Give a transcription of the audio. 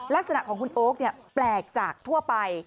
ลักษณะของคุณโอ๊คแปลกจากทั่วไป